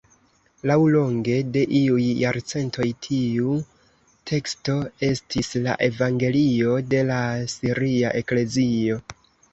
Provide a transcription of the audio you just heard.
Laŭlonge de iuj jarcentoj tiu teksto estis la evangelio de la siria eklezio.